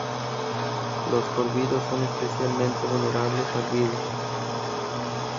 Los córvidos son especialmente vulnerables al virus.